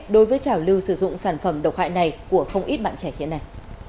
đối với trả lưu sử dụng sản phẩm độc hại này của không ít bạn trẻ khiến này